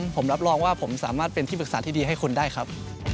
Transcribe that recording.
ผมรับรองว่าผมสามารถเป็นที่ปรึกษาที่ดีให้คุณได้ครับ